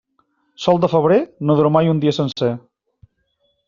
Sol de febrer, no dura mai un dia sencer.